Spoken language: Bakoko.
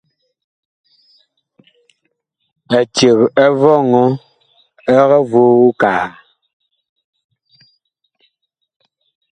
Eceg ɛ vɔŋɔ ɛg voo kaa.